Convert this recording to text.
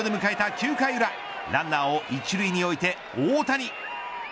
９回裏ランナーを一塁に置いて大谷。